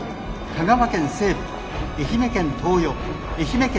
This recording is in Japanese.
香川県西部愛媛県東予愛媛県